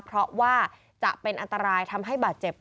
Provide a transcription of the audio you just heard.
เพราะว่าจะเป็นอันตรายทำให้บาดเจ็บ